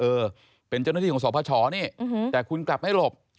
เออเป็นเจ้าหน้าที่ของสพชนี่แต่คุณกลับไม่หลบ